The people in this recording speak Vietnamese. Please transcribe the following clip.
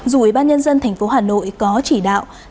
dù ủy ban nhân dân tp hà nội có chỉ đạo